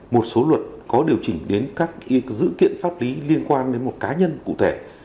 một số luật có điều chỉnh đến các dự kiện pháp lý liên quan đến một cá nhân cụ thể